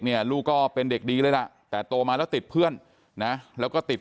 ลูกก็เป็นเด็กดีเลยล่ะแต่โตมาแล้วติดเพื่อนนะแล้วก็ติด